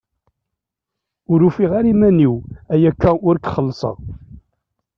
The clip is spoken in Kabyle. Ur ufiɣ ara iman-iw ayakka ur k-xellṣeɣ.